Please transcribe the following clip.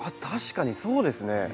確かにそうですね